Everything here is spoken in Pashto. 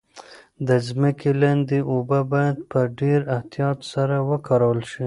د ځمکې لاندې اوبه باید په ډیر احتیاط سره وکارول شي.